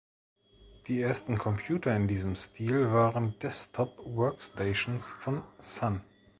Die ersten Computer in diesem Stil waren Desktop-Workstations von Sun.